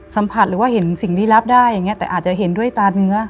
สัมผัสหรือว่าเห็นสิ่งลี้ลับได้อย่างนี้แต่อาจจะเห็นด้วยตาเนื้อ